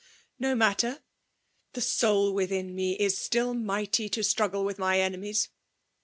— Ho matter! the soul within me is still mighty to struggle with my enemies.